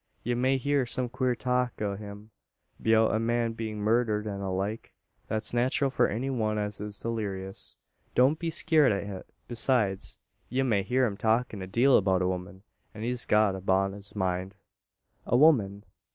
Ye may hear some queer talk out o' him, beout a man bein' murdered, an the like. That's natral for any one as is dulleerious. Don't be skeeart at it. Beside, ye may hear him talkin' a deal about a woman, as he's got upon his mind." "A woman!"